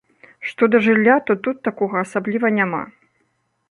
Што да жылля, то тут такога асабліва няма.